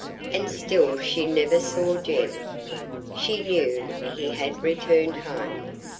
] And still she never saw Jem. She knew he had returned home.